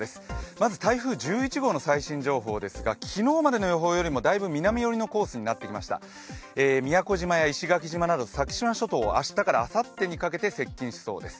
まず台風１１号の最新情報ですが、昨日までの予報よりもだいぶ南寄りのコースになってきました石垣島や宮古島など先島諸島は明日からあさってにかけて接近しそうです。